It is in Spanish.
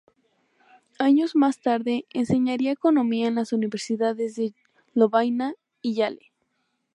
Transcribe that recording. Años más tarde enseñaría Economía en las universidades de Lovaina y Yale.